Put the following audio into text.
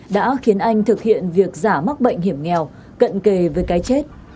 đã khiến anh thực hiện việc giả mắc bệnh hiểm nghèo cận kề với cái chết